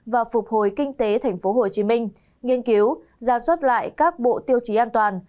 và phục hồi kinh tế tp hcm nghiên cứu giảm xuất lại các bộ tiêu chí an toàn